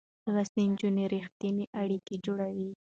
لوستې نجونې رښتينې اړيکې جوړوي.